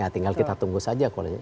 ya tinggal kita tunggu saja kualisinya